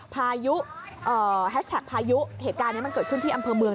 พายุแฮชแท็กพายุเหตุการณ์นี้มันเกิดขึ้นที่อำเภอเมือง